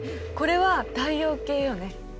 これは太陽系よね？